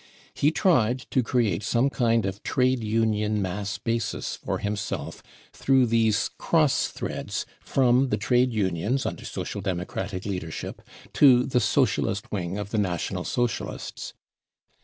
He tried to create some kind of trade union mass basis for himself through these " cross threads " from the trade unions under Social Democratic leadership to the " socia list" wing of the National Socialists.